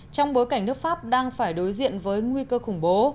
trong bối cảnh nước pháp đang phải đối diện với nguy cơ khủng bố